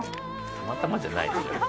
たまたまじゃないですよ。